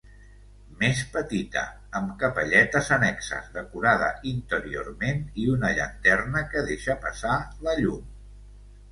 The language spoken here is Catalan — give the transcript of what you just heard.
Més petita, amb capelletes annexes, decorada interiorment i una llanterna que deixa passar la llum.